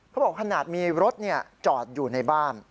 เขาบอกขนาดมีรถจอดอยู่ในบ้าน